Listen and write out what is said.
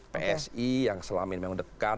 psi yang selama ini memang dekat